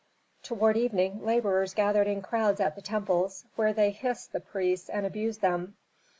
Toward evening laborers gathered in crowds at the temples, where they hissed the priests and abused them.